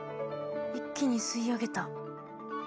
一気に吸い上げた。